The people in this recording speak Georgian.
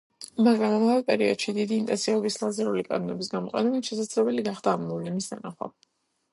მაგრამ ამავე პერიოდში დიდი ინტენსივობის ლაზერული კანონების გამოყენებით შესაძლებელი გახდა ამ მოვლენის დანახვა.